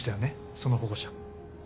その保護者。